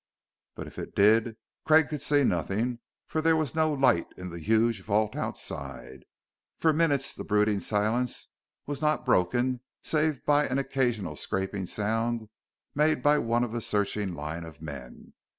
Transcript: But if it did, Craig could see nothing, for there was no light in the huge vault outside. For minutes the brooding silence was not broken, save by an occasional scraping sound made by one of the searching line of men.